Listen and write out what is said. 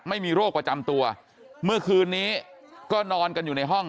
ไม่มีโรคประจำตัวเมื่อคืนนี้ก็นอนกันอยู่ในห้อง